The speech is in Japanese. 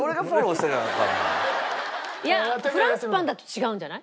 いやフランスパンだと違うんじゃない？